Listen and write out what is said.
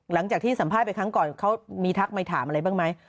หลังจากที่สัมภาษณ์ไปครั้งก่อนเขามีทักไม่ถามอะไรบ้างไหม